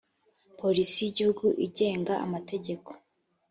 polisi y’ igihugu igenga amategeko.